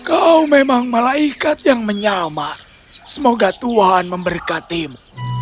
kau memang malaikat yang menyamar semoga tuhan memberkatimu